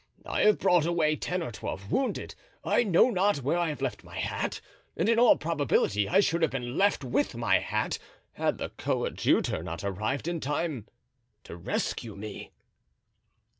I have brought away ten or twelve wounded. I know not where I have left my hat, and in all probability I should have been left with my hat, had the coadjutor not arrived in time to rescue me."